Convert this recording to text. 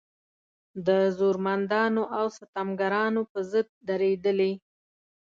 د زورمندانو او ستمګرانو په ضد درېدلې.